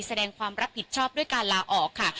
แสดงความรับผิดชอบด้วยการลาออกค่ะ